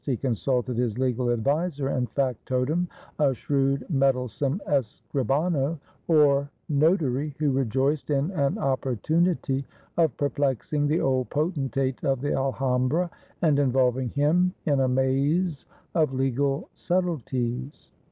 He consulted his legal adviser and factotum, a shrewd meddlesome escribano, or notary, who rejoiced in an opportunity of perplexing the old potentate of the Alhambra, and involving him in a maze of legal subtle ties.